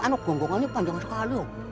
ano gonggongannya panjang sekali